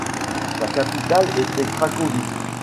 Sa capitale était Cracovie.